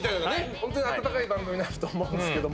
ホントに温かい番組になると思うんですけども。